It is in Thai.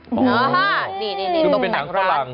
อ๋อฮะนี่ตกแต่งร้านก็เป็นหนังฝรั่ง